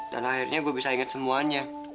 dan akhirnya gue bisa inget semuanya